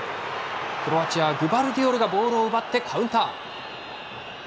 クロアチアグバルディオルがボールを奪ってカウンター。